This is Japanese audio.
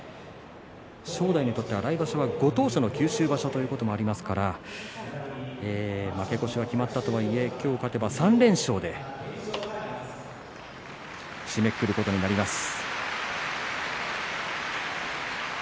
正代にとっては来場所はご当所の九州場所ということもありまして負け越しは決まったとはいえ今日、勝てば３連勝で締めくくることになります。